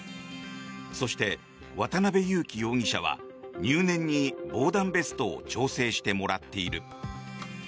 そして、渡邉優樹容疑者は入念に防弾ベストを調整してもらっている。